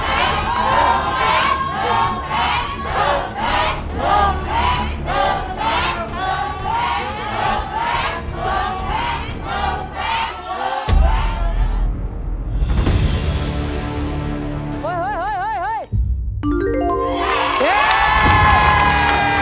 เฮ้ยเฮ้ยเฮ้ยเฮ้ย